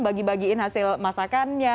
bagi bagiin hasil masakannya